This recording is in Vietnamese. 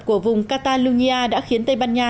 của vùng catalonia đã khiến tây ban nha